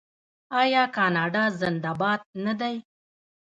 آیا کاناډا زنده باد نه دی؟